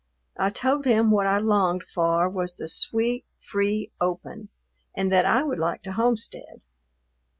I told him what I longed for was the sweet, free open, and that I would like to homestead.